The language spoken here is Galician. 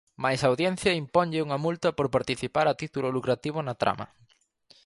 Mais a Audiencia imponlle unha multa por participar a título lucrativo na trama.